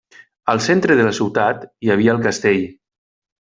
Al centre de la ciutat hi havia el castell.